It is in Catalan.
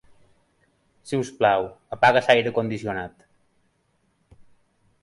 Si us plau, apaga l'aire condicionat.